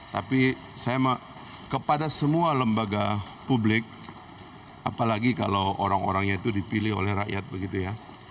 tapi saya kepada semua lembaga publik apalagi kalau orang orangnya itu dipilih oleh rakyat begitu ya